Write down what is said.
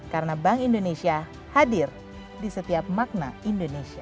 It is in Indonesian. karena bank indonesia hadir di setiap makna indonesia